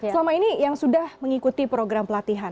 selama ini yang sudah mengikuti program pelatihan